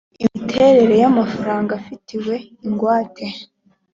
imiterere y amafaranga afitiwe ingwate